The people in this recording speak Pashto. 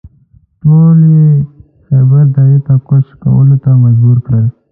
ټول یې خیبر درې ته کوچ کولو ته مجبور کړل.